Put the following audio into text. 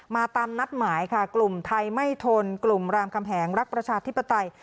ตามนัดหมายค่ะกลุ่มไทยไม่ทนกลุ่มรามคำแหงรักประชาธิปไตย